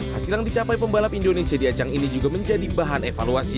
hasil yang dicapai pembalap indonesia di ajang ini juga menjadi bahan evaluasi